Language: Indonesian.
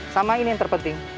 sama ini yang terpenting